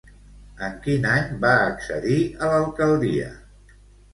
En quin any va accedir a l'alcaldia?